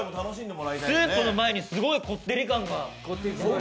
スープの前にすごいこってり感が。